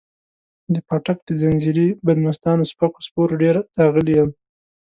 د پاټک د ځنځیري بدمستانو سپکو سپورو ډېر داغلی یم.